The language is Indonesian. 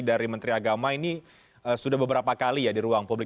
dari menteri agama ini sudah beberapa kali ya di ruang publik